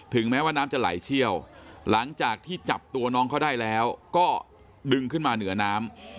แม้ว่าน้ำจะไหลเชี่ยวหลังจากที่จับตัวน้องเขาได้แล้วก็ดึงขึ้นมาเหนือน้ำ